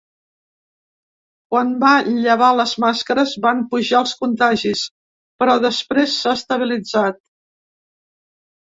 Quan va llevar les màscares van pujar els contagis, però després s’ha estabilitzat.